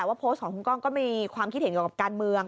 ว่าโพสต์ของคุณก้องก็มีความคิดเห็นกับการเมือง